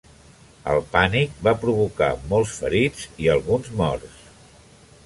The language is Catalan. El pànic va provocar molts ferits i alguns morts.